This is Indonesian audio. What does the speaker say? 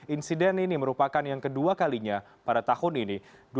insiden ini merupakan yang kedua kalinya pada tahun ini